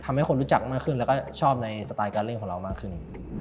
คนรู้จักมากขึ้นแล้วก็ชอบในสไตล์การเล่นของเรามากขึ้น